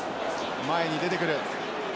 前に出てくる。